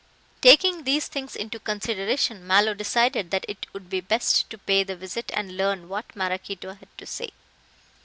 Taking these things into consideration, Mallow decided that it would be best to pay the visit and learn what Maraquito had to say.